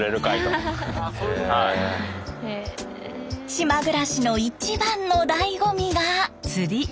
島暮らしの一番のだいご味が。